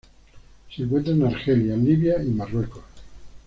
Se encuentra en Argelia, Libia y Marruecos.